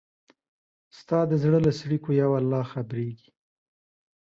ستا د زړه له څړیکو یو الله خبریږي